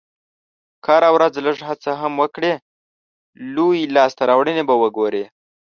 که هره ورځ لږه هڅه هم وکړې، لویې لاسته راوړنې به وګورې.